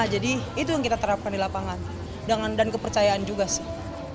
jadi itu yang kita terapkan di lapangan dan kepercayaan juga sih